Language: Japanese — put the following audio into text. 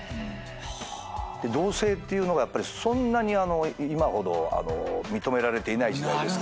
で同棲っていうのがそんなに今ほど認められていない時代ですから。